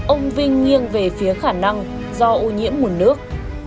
ông vinh nghiêng về phía khả năng do ô nhiễm nguồn nước